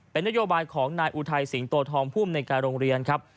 เป็นนโยบายของนายอุทัยสิงโตทองภูมิในการโรงเรียนครับ